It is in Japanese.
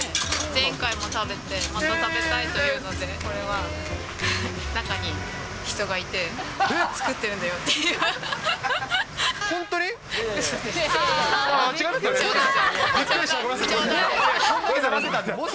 前回も食べて、また食べたいというので、これは中に人がいて作ってるんだよっていう。